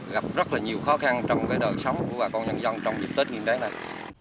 gặp rất là nhiều khó khăn trong đời sống của bà con nhân dân trong dịp tết hiện nay